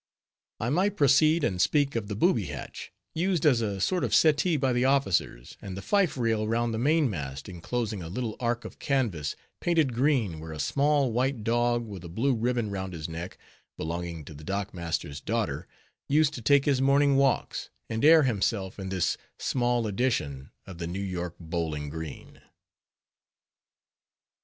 I might proceed and speak of the booby hatch, used as a sort of settee by the officers, and the fife rail round the mainmast, inclosing a little ark of canvas, painted green, where a small white dog with a blue ribbon round his neck, belonging to the dock master's daughter, used to take his morning walks, and air himself in this small edition of the New York Bowling Green.